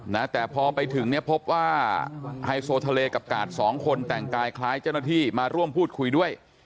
นะแต่พอไปถึงเนี่ยพบว่าไฮโซทะเลกับกาดสองคนแต่งกายคล้ายเจ้าหน้าที่มาร่วมพูดคุยด้วย